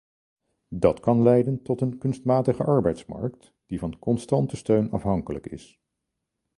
Dat kan leiden tot een kunstmatige arbeidsmarkt, die van constante steun afhankelijk is.